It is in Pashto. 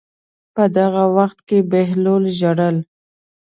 په دغه وخت کې بهلول ژړل.